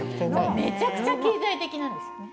めちゃくちゃ経済的なんです。